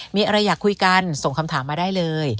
มีอะไรอยากคุยกันส่งคำถามมาได้เลย